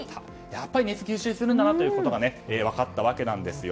やっぱり熱を吸収するということが分かったわけです。